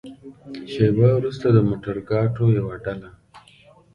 شېبه وروسته د موترګاټو يوه ډله.